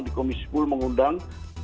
di komisi kul mengundang